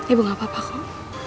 ibu gak apa apa sih